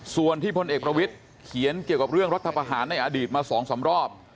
ส่วนที่พลเอกประวิทย์เขียนเกี่ยวกับเรื่องรัฐประหารในอดีตมา๒๓รอบ